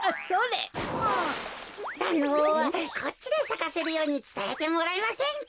あのこっちでさかせるようにつたえてもらえませんか？